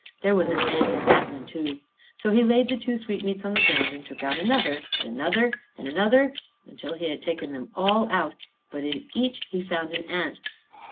There was an ant in that one too. So he laid the two sweetmeats on the ground, and he took out another, and another, and another, until he had taken them all out; but in each he found an ant.